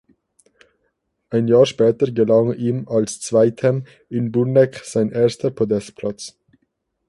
Ein Jahr später gelang ihm als Zweitem in Bruneck sein erster Podestplatz.